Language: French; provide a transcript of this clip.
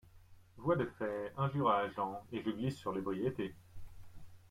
Voies de fait, injures à agent, et je glisse sur l’ébriété.